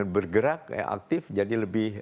bergerak aktif jadi lebih